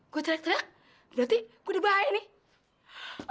gua teriak teriak berarti gua udah baik nih